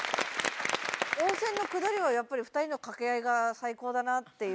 温泉のくだりはやっぱり、２人のかけあいが最高だなっていう。